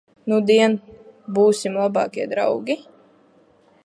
Nudien būsim labākie draugi?